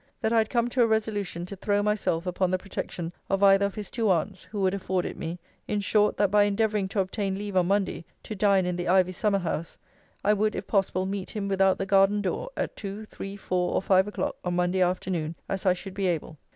That I had come to a resolution to throw myself upon the protection of either of his two aunts, who would afford it me in short, that by endeavouring to obtain leave on Monday to dine in the ivy summer house, I would, if possible, meet him without the garden door, at two, three, four, or five o'clock on Monday afternoon, as I should be able.